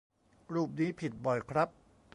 รูปนี้ผิดบ่อยครับ